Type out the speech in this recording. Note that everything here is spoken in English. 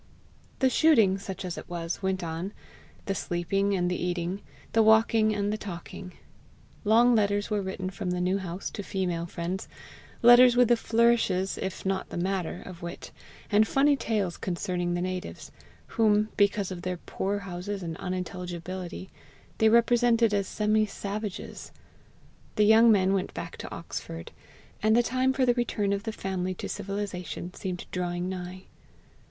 The shooting, such as it was, went on, the sleeping and the eating, the walking and the talking. Long letters were written from the New House to female friends letters with the flourishes if not the matter of wit, and funny tales concerning the natives, whom, because of their poor houses and unintelligibility, they represented as semi savages. The young men went back to Oxford; and the time for the return of the family to civilization seemed drawing nigh.